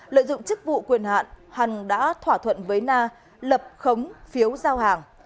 lợi dụng chức vụ quyền hạn hằn đã thỏa thuận với na lập khống phiếu giao hàng